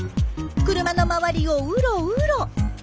車の周りをうろうろ。